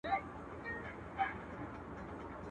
درواغجن، هېرجن وي.